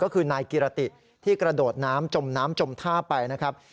ก็คือนายกิรติที่กระโดดน้ำจมน้ำจมท่าไปนะครับ